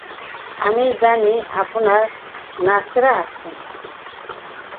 আমি জানি আপনার নার্সরা আছে।